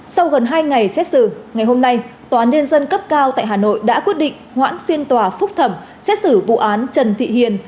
sau gần hai ngày xét xử ngày hôm nay tòa án nhân dân cấp cao tại hà nội đã quyết định hoãn phiên tòa phúc thẩm xét xử vụ án trần thị hiền